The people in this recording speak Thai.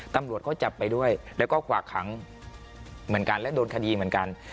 ตำรวจก็จับไปด้วยแล้วก็ขวากขังเหมือนกันและโดนคดีเหมือนกัน